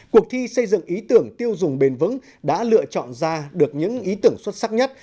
cuộc thi xây dựng ý tưởng tiêu dùng bền vững đã lựa chọn ra được những ý tưởng xuất sắc nhất